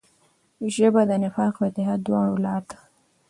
ژبه د نفاق او اتحاد دواړو لاره ده